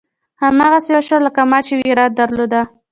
هماغسې وشول لکه ما چې وېره درلوده.